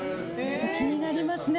気になりますね。